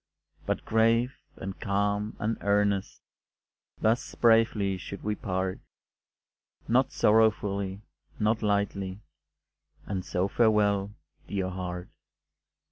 But grave, and calm, and earnest, Thus bravely should we part, Not sorrowfully, not lightly, And so farewell, dear heart.